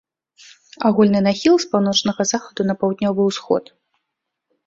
Агульны нахіл з паўночнага захаду на паўднёвы ўсход.